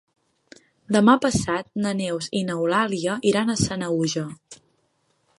Demà passat na Neus i n'Eulàlia iran a Sanaüja.